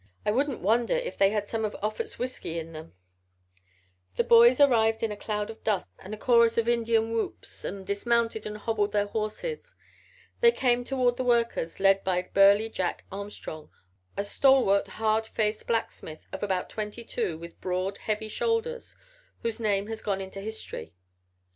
I wouldn't wonder if they had some of Offut's whisky with them." The boys arrived in a cloud of dust and a chorus of Indian whoops and dismounted and hobbled their horses. They came toward the workers, led by burly Jack Armstrong, a stalwart, hard faced blacksmith of about twenty two with broad, heavy shoulders, whose name has gone into history.